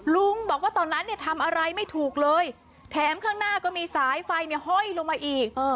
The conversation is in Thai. ลุงบอกว่าตอนนั้นเนี่ยทำอะไรไม่ถูกเลยแถมข้างหน้าก็มีสายไฟเนี่ยห้อยลงมาอีก